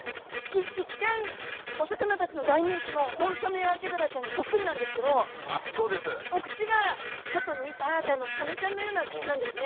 一見お魚たちの大人気のホンソメワケベラちゃんにそっくりなんですけどお口がちょっとニターッてサメちゃんのような口なんですね。